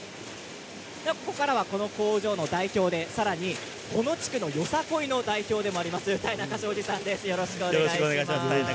ここからはこの工場の代表でさらにこの地区のよさこいの代表でもある妙中正司さんです。